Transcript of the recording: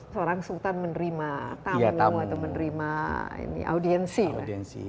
seorang sultan menerima tamu atau menerima audiensi